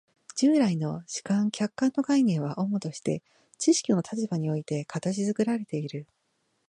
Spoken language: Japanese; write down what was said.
従来の主観・客観の概念は主として知識の立場において形作られている。